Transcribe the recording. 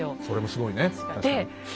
それもすごいね。